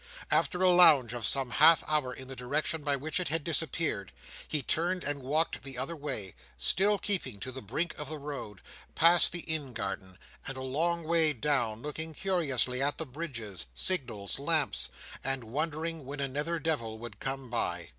After a lounge of some half hour in the direction by which it had disappeared, he turned and walked the other way—still keeping to the brink of the road—past the inn garden, and a long way down; looking curiously at the bridges, signals, lamps, and wondering when another Devil would come by.